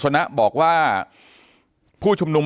อย่างที่บอกไปว่าเรายังยึดในเรื่องของข้อ